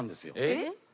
えっ？